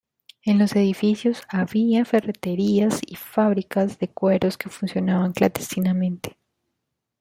En los edificios había ferreterías y fábricas de cueros que funcionaban clandestinamente.